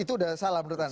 itu udah salah menurut anda